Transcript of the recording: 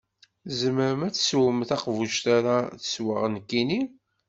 Tzemrem ad teswem taqbuct ara sweɣ nekkini?